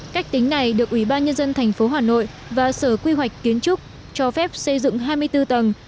cách tính này được ủy ban nhân dân tp hà nội và sở quy hoạch kiến trúc cho phép xây dựng hai mươi bốn tầng